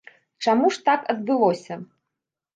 Чаму ж так адбылося?